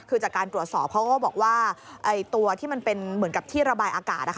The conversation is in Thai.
คือจากการตรวจสอบเขาก็บอกว่าตัวที่มันเป็นเหมือนกับที่ระบายอากาศ